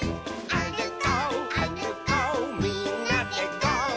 「あるこうあるこうみんなでゴー！」